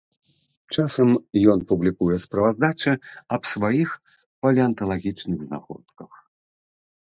Часам ён публікуе справаздачы аб сваіх палеанталагічных знаходках.